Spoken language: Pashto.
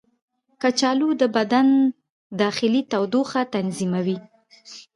کچالو د بدن داخلي تودوخه تنظیموي.